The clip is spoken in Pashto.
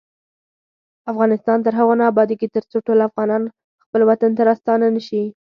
افغانستان تر هغو نه ابادیږي، ترڅو ټول افغانان خپل وطن ته راستانه نشي.